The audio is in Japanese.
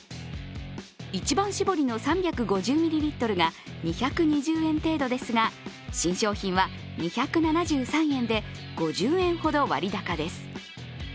一番搾りの３５０ミリリットルが２２０円程度ですが新商品は２７３円で５０円ほど割高です。